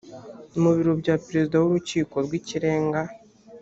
mu biro bya perezida w urukiko rw ikirenga